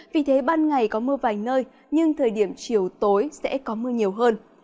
vì thế ban ngày có mưa vài nơi nhưng thời điểm chiều tối sẽ có mưa nhiều hơn